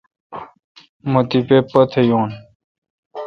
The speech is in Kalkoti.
مہ تیپہ پتھ یون۔